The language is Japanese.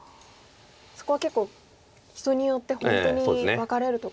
そこは結構人によって本当に分かれるところですか。